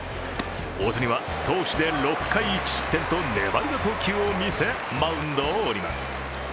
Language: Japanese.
大谷は投手で６回１失点と粘りの投球を見せマウンドを降ります。